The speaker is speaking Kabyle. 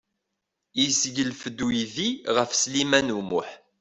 Yesseglef-d uydi ɣef Sliman U Muḥ.